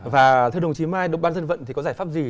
và thưa đồng chí mai ban dân vận thì có giải pháp gì